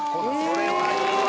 これはいいわ・